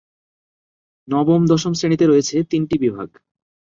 নবম-দশম শ্রেণিতে রয়েছে তিনটি বিভাগ।